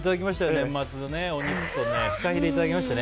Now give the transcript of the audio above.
年末、お肉とフカヒレをいただきましたね。